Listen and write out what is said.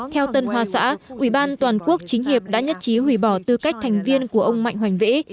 theo tân hoa xã ủy ban toàn quốc chính hiệp đã nhất trí hủy bỏ tư cách thành viên của ông mạnh hoành vĩ